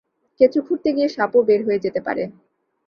কেঁচো খুড়তে গিয়ে সাপও বের হয়ে যেতে পারে।